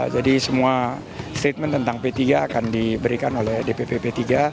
jadi semua statement tentang p tiga akan diberikan oleh dpp p tiga